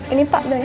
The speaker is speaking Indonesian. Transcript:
ini pak dong ya